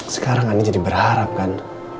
sekarang anda jadi berharap kan